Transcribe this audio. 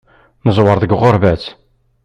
Neẓwer deg uɣerbaz.